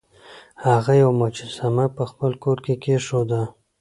هغه یوه مجسمه په خپل کور کې کیښوده.